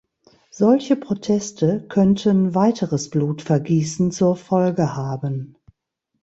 Solche Proteste könnten weiteres Blutvergießen zur Folge haben.